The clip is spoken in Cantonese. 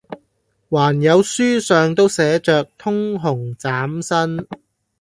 還有書上都寫着，通紅斬新！」